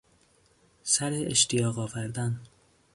سر اشتیاق آوردن